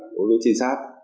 đối với trinh sát